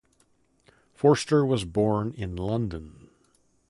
Forster was born in London.